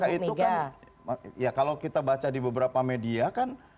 ya itu kan ya kalau kita baca di beberapa media kan